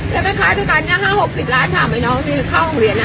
ได้ไปขายกันเนี้ยห้าหกสิบล้านถามไอ้น้องติดข้าวโรงเรียนนะ